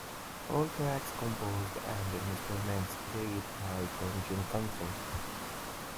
All tracks composed and instruments played by Tom Jenkinson.